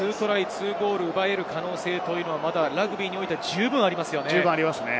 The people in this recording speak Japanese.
２ゴールを奪える可能性はまだラグビーにおいては十分ありますよね。